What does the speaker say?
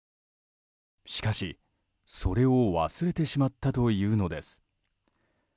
しかし、それを忘れてしまったというのです。